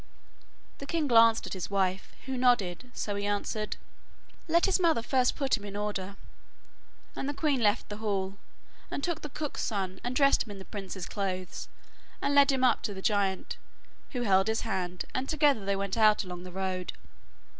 The king glanced at his wife, who nodded, so he answered: 'Let his mother first put him in order,' and the queen left the hall, and took the cook's son and dressed him in the prince's clothes, and led him up to the giant, who held his hand, and together they went out along the road.